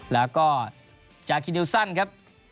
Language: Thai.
แล้วก็จากคิดิวซันครับ